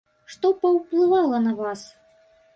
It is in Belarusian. Што паўплывала на вас?